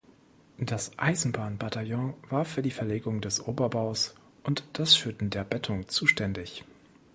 Das Eisenbahn-Bataillon war für die Verlegung des Oberbaus und das Schütten der Bettung zuständig.